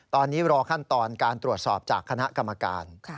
ตอนนี้รอขั้นตอนการตรวจสอบจากคณะกรรมการ